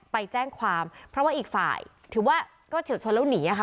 ไปแจ้งความเพราะว่าอีกฝ่ายถือว่าก็เฉียวชนแล้วหนีค่ะ